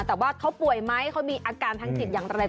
แต่ว่าเขาป่วยไหมเขามีอาการทางจิตอย่างไร